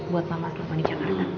buat mama selama di jakarta